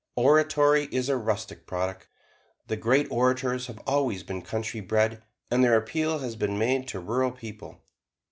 Oratory is a rustic product. The great orators have always been country bred, and their appeal has been made to rural people.